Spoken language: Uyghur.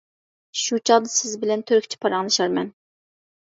شۇ چاغدا سىز بىلەن تۈركچە پاراڭلىشارمەن.